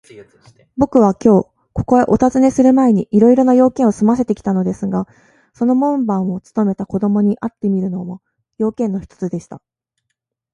ぼくはきょう、ここへおたずねするまえに、いろいろな用件をすませてきたのですが、その門番をつとめた子どもに会ってみるのも、用件の一つでした。